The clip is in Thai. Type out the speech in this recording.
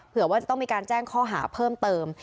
ว่าจะต้องมีการแจ้งข้อหาเพิ่มเติม